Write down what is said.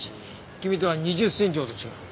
君とは２０センチほど違う。